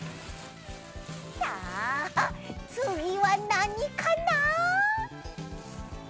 さあつぎはなにかな？